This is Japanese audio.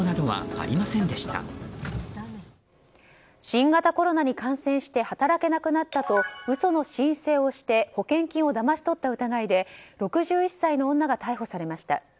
新型コロナに感染して働けなくなったと嘘の申請をして保険金をだまし取った疑いで６１歳の女が逮捕されました。